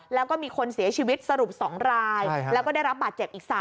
แล้วก็มีคนเสียชีวิตสรุป๒รายแล้วก็ได้รับบาดเจ็บอีก๓